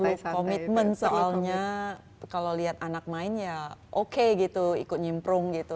terus komitmen soalnya kalau lihat anak main ya oke gitu ikut nyimprung gitu